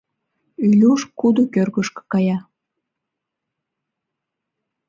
Илюш кудо кӧргышкӧ кая.